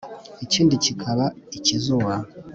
ikindi kikaba ik izuba